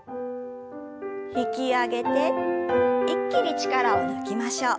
引き上げて一気に力を抜きましょう。